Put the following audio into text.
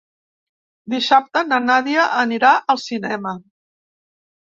Dissabte na Nàdia anirà al cinema.